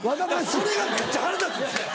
それがめっちゃ腹立つんですよ！